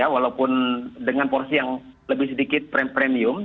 walaupun dengan porsi yang lebih sedikit premium